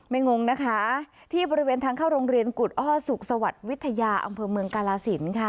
งงนะคะที่บริเวณทางเข้าโรงเรียนกุฎอ้อสุขสวัสดิ์วิทยาอำเภอเมืองกาลสินค่ะ